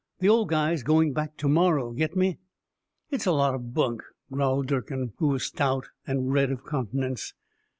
The old guy's going back to morrow, get me?" "It's a lot of bunk," growled Durkin, who was stout and red of countenance.